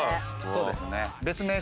そうですね。